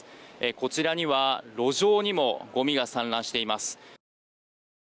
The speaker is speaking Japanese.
こちらには、路上にもごみが散乱しています。